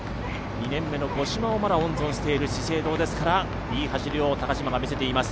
２年目の五島を温存している資生堂ですからいい走りを見せています。